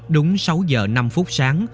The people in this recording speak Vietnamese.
đúng sáu giờ năm phút sáng